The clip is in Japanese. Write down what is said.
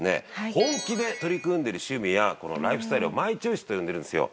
本気で取り組んでる趣味やライフスタイルをマイチョイスと呼んでるんですよ。